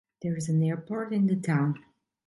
There is an airport in the town.